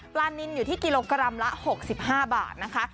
นินอยู่ที่กิโลกรัมละ๖๕บาทนะคะ